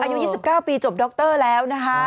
อายุ๒๙ปีจบด็อกเตอร์แล้วนะฮะ